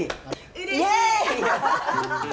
イエイ！